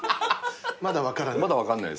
まだ分からない。